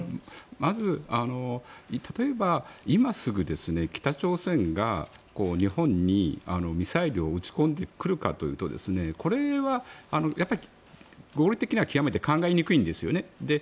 まず、例えば今すぐ北朝鮮が日本にミサイルを撃ち込んでくるかというとこれはやっぱり合理的に極めて考えにくいんですよね。